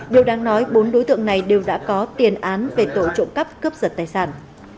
điều đáng nói bốn đối tượng này đều đã có tiền án về tội trộm cắp cướp giật tài sản